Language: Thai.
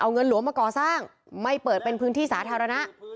เอาเงินหลวงมาก่อสร้างไม่เปิดเป็นพื้นที่สาธารณะ